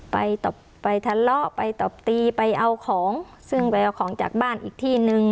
ไปทะเลาะไปตบตีไปเอาของซึ่งไปเอาของจากบ้านอีกที่นึง